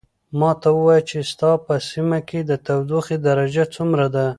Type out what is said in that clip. ماته ووایه چې ستا په سیمه کې د تودوخې درجه څومره ده.